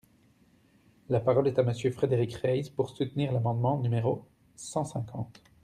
La parole est à Monsieur Frédéric Reiss, pour soutenir l’amendement numéro cent cinquante.